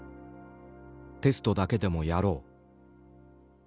「テストだけでもやろう」。